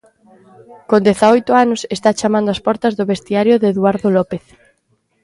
Con dezaoito anos está chamando ás portas do vestiario de Eduardo López.